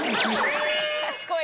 賢い。